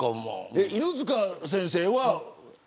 犬塚先生は。